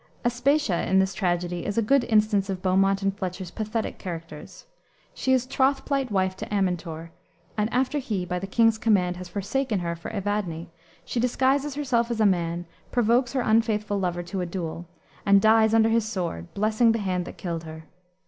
Aspatia, in this tragedy, is a good instance of Beaumont and Fletcher's pathetic characters. She is troth plight wife to Amintor, and after he, by the king's command, has forsaken her for Evadne, she disguises herself as a man, provokes her unfaithful lover to a duel, and dies under his sword, blessing the hand that killed her.